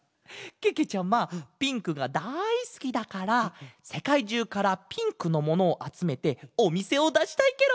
けけちゃまピンクがだいすきだからせかいじゅうからピンクのものをあつめておみせをだしたいケロ！